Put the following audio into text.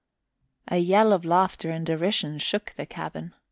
A yell of laughter and derision shook the cabin.